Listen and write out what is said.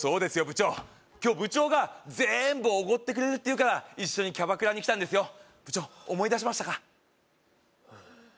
部長今日部長が全部おごってくれるって言うから一緒にキャバクラに来たんですよ部長思い出しましたか？